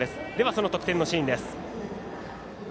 その得点のシーンです。